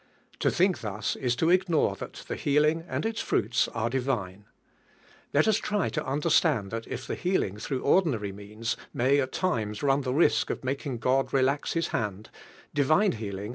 To think thus is to ignore that the healing and iis fruits are divine. Let us try to under slant! that if the healing through ordinary means may at times run the risk of mak ing God relax His hand, divine healing